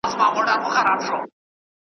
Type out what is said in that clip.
هسي نه چي یې خیرن ښکلي کالي سي .